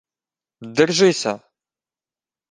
— Держися!..